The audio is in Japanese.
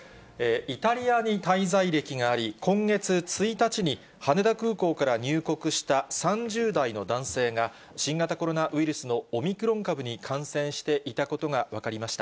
イタリアに滞在歴があり、今月１日に羽田空港から入国した３０代の男性が、新型コロナウイルスのオミクロン株に感染していたことが分かりました。